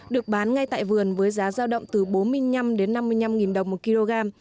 được bán ngay tại vườn với giá giao động từ bốn mươi năm đến năm mươi năm đồng một kg